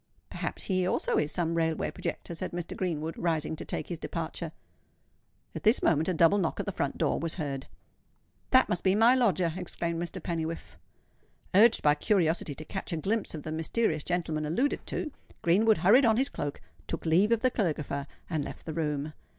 "Perhaps he also is some railway projector," said Mr. Greenwood, rising to take his departure. At this moment a double knock at the front door was heard. "That must be my lodger," exclaimed Mr. Pennywhiffe. Urged by curiosity to catch a glimpse of the mysterious gentleman alluded to, Greenwood hurried on his cloak, took leave of the caligrapher, and left the room.